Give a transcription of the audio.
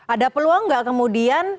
ada peluang gak kemudian